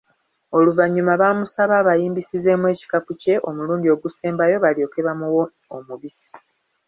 Oluvanyuma baamusaba abayimbisizeemu ekikapu kye omulundi ogusembayo balyoke bamuwe omubisi.